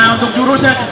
nah untuk jurus ya